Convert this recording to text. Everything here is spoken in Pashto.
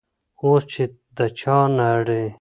اوس چي د چا نرۍ